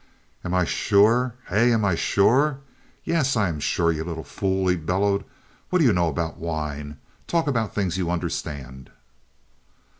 "Am I sure? Hey? Am I sure? Yes! I am sure, you little fool!" he bellowed. "What do you know about wine? Talk about things you understand!"